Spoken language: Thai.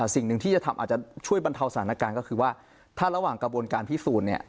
สิ่งหนึ่งที่จะทำอาจจะช่วยบรรเทาสถานการณ์ก็คือว่าถ้าระหว่างกระบวนการพิสูจน์เนี่ย